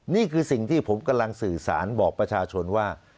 นี่คือสิ่งที่ผมกำลังสื่อสารบอกประชาชนว่า